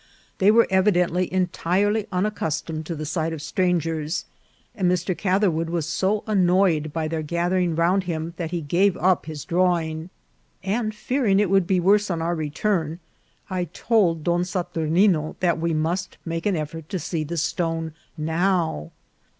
They were evidently en tirely unaccustomed to the sight of strangers, and Mr. Catherwood was so annoyed by their gathering round him that he gave up his drawing ; and fearing it would be worse on our return, I told Don Saturnino that we must make an effort to see the stone now.